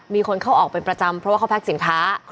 มีคนเข้าออกเป็นประจำเพราะว่าเขาแพ็คสินค้า